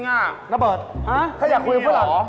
น้าเบิร์ดถ้าอยากคุยกับฝรั่ง